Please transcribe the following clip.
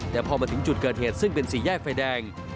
แต่พอมาถึงจุดเกิดเหตุซึ่งเป็นสี่แยกไฟแดง